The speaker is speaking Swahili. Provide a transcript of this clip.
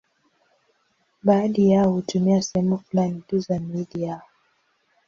Baadhi yao hutumia sehemu fulani tu za miili yao.